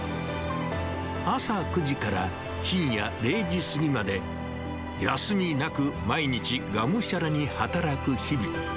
朝９時から深夜０時過ぎまで、休みなく毎日がむしゃらに働く日々。